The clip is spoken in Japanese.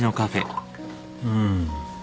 うん。